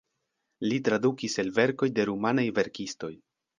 Li tradukis el verkoj de rumanaj verkistoj.